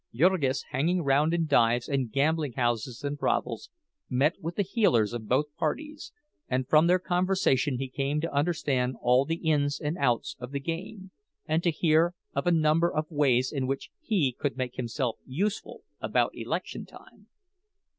Jurgis, hanging round in dives and gambling houses and brothels, met with the heelers of both parties, and from their conversation he came to understand all the ins and outs of the game, and to hear of a number of ways in which he could make himself useful about election time.